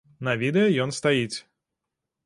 На відэа ён стаіць.